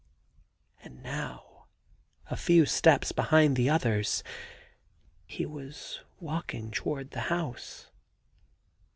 And now, a few steps behind the others, he was walking toward the house.